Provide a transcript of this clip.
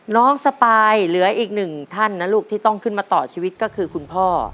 สปายเหลืออีกหนึ่งท่านนะลูกที่ต้องขึ้นมาต่อชีวิตก็คือคุณพ่อ